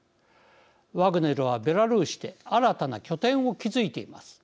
ワグネルはベラルーシで新たな拠点を築いています。